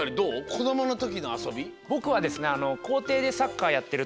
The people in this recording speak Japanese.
こどものときのあそび。